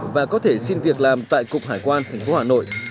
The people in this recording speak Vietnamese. và có thể xin việc làm tại cục hải quan tp hà nội